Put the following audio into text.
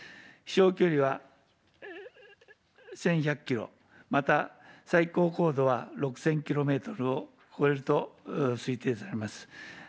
飛しょう距離は１１００キロ、また、最高高度は６０００キロメートルを超えると推定されます。